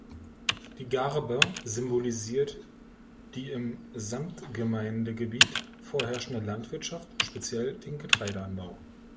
Die Garbe symbolisiert die im Samtgemeindegebiet vorherrschende Landwirtschaft, speziell den Getreideanbau.